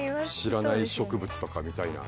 知らない植物とか見たいな。